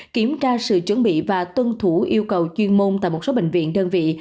kiểm tra sự chuẩn bị và tuân thủ yêu cầu chuyên môn tại một số bệnh viện đơn vị